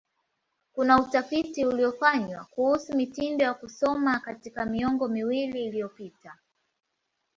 Kuna utafiti uliofanywa kuhusu mitindo ya kusoma katika miongo miwili iliyopita.